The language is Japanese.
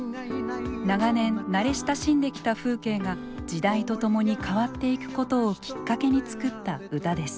長年慣れ親しんできた風景が時代と共に変わっていくことをきっかけに作った歌です。